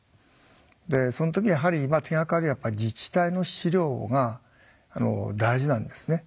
でその時にやはり手がかりは自治体の資料が大事なんですね。